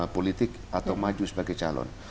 politik atau maju sebagai calon